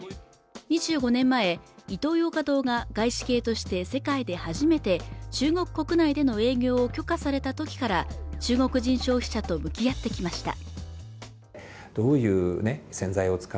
２５年前イトーヨーカドーが外資系として世界で初めて中国国内での営業を許可された時から中国人消費者と向き合ってきました